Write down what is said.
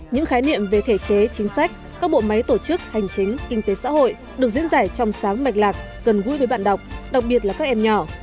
những khái niệm về thể chế chính sách các bộ máy tổ chức hành chính kinh tế xã hội được diễn giải trong sáng mạch lạc gần gũi với bạn đọc đặc biệt là các em nhỏ